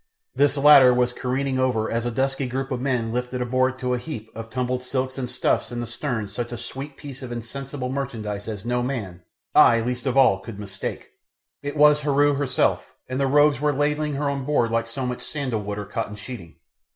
This latter was careening over as a dusky group of men lifted aboard to a heap of tumbled silks and stuffs in the stern such a sweet piece of insensible merchandise as no man, I at least of all, could mistake. It was Heru herself, and the rogues were ladling her on board like so much sandal wood or cotton sheeting.